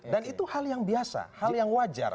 dan itu hal yang biasa hal yang wajar